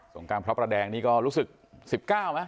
ส่งการพระแดงนี้ก็รู้สึก๑๙นะ